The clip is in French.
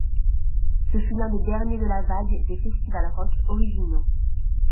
Ce fut l'un des derniers de la vague des festivals rock originaux.